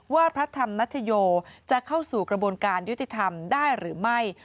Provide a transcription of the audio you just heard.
พระธรรมนัชโยจะเข้าสู่กระบวนการยุติธรรมได้หรือไม่